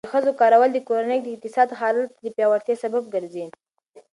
د ښځو کار کول د کورنۍ د اقتصادي حالت د پیاوړتیا سبب ګرځي.